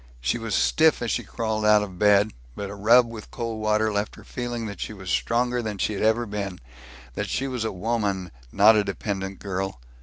She was stiff as she crawled out of bed, but a rub with cold water left her feeling that she was stronger than she ever had been; that she was a woman, not a dependent girl.